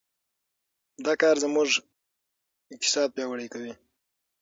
دا کار زموږ اقتصاد پیاوړی کوي.